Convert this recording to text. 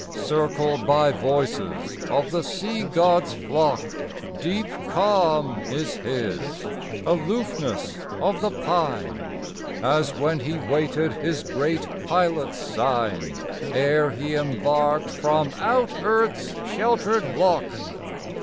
Circled by voices of the sea god's flock, Deep calm is his, aloofness of the pine, As when he waited his great Pilot's sign Ere he embarked from out earth's sheltered loch.